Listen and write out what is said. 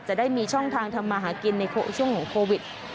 จะได้มีช่องทางทำมาหากินในช่วงของโควิด